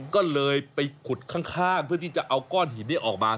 ก็เลยไปขุดข้างเพื่อที่จะเอาก้อนหินนี้ออกมา